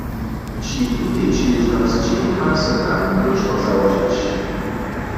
Při tutej přiležnosći ma so tam klóšter załožić.